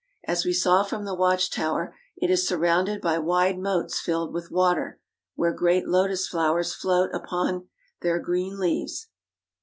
As we saw from the watch tower, it is surrounded by wide moats filled with water, where great lotus flowers float upon their green leaves.